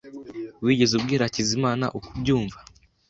Wigeze ubwira Hakizimana uko ubyumva?